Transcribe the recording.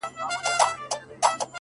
تر تا څو چنده ستا د زني عالمگير ښه دی!!